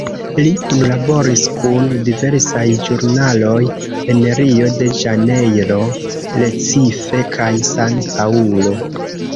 Li kunlaboris kun diversaj ĵurnaloj en Rio de Ĵanejro, Recife kaj San Paŭlo.